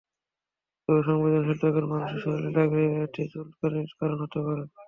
তবে সংবেদনশীল ত্বকের মানুষের শরীরে লাগলে এটি চুলকানির কারণ হতে পারে।